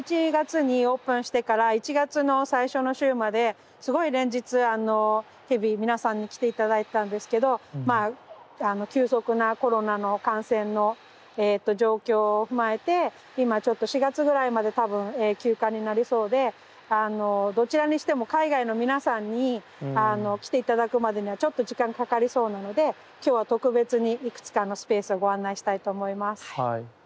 １１月にオープンしてから１月の最初の週まですごい連日日々皆さんに来て頂いてたんですけどまあ急速なコロナの感染の状況を踏まえて今ちょっと４月ぐらいまで多分休館になりそうでどちらにしても海外の皆さんに来て頂くまでにはちょっと時間がかかりそうなので今日は特別にいくつかのスペースをご案内したいと思います。